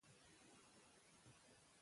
مورنۍ ژبه زده کړه آسانه کوي، که موجوده وي.